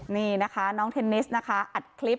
นี่นะคะน้องเทนนิสนะคะอัดคลิป